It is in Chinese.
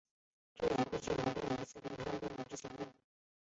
这也是须磨第一次离开日本执行任务。